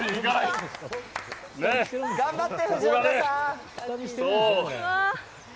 頑張って、藤岡さん。